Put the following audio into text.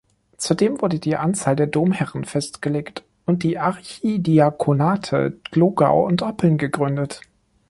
Zudem wurde die Anzahl der Domherren festgelegt und die Archidiakonate Glogau und Oppeln gegründet.